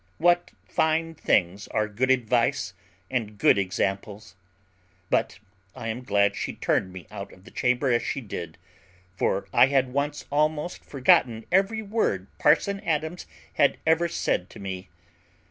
What fine things are good advice and good examples! But I am glad she turned me out of the chamber as she did: for I had once almost forgotten every word parson Adams had ever said to me.